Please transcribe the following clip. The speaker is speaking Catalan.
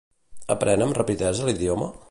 Aprèn amb rapidesa l'idioma?